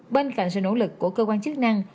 bên cạnh sự nỗ lực của cơ quan chức năng